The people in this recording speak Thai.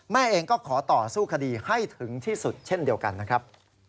แม่เองก็ขอต่อสู้คดีให้ถึงที่สุดเช่นเดียวกันนะครับ